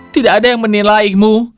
tidak ada yang menilai mu